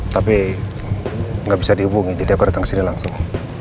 tapi gak bisa dihubungin jadi aku datang kesini langsung